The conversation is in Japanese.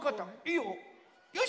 いいよ。